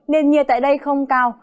nền nhiệt tại đây không cao